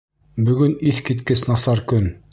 Бөгөн иҫ киткес насар көн!